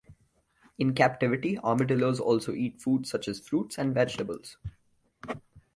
In captivity, armadillos also eat foods such as fruits and vegetables.